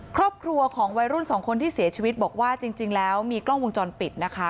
ครอบครัวของวัยรุ่นสองคนที่เสียชีวิตบอกว่าจริงแล้วมีกล้องวงจรปิดนะคะ